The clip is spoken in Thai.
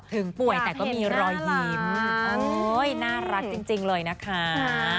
ถึงป่วยแต่ก็มีรอยยิ้มน่ารักจริงเลยนะคะ